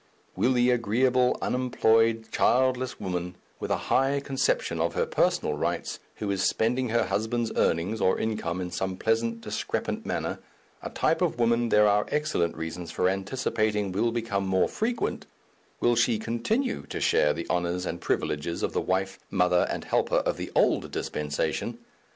Will the agreeable, unemployed, childless woman, with a high conception of her personal rights, who is spending her husband's earnings or income in some pleasant discrepant manner, a type of woman there are excellent reasons for anticipating will become more frequent will she continue to share the honours and privileges of the wife, mother, and helper of the old dispensation?